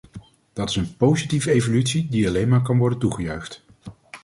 Dat is een positieve evolutie die alleen maar kan worden toegejuicht.